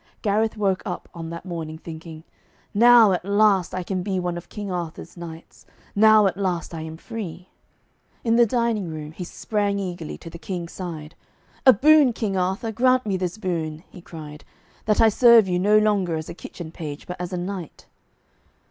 Gareth woke up on that morning, thinking, 'Now at last I can be one of King Arthur's knights; now at last I am free.' In the dining room he sprang eagerly to the King's side. 'A boon, King Arthur, grant me this boon,' he cried, 'that I serve you no longer as a kitchen page, but as a knight.'